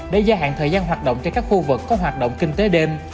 để gia hạn thời gian hoạt động cho các khu vực có hoạt động kinh tế đêm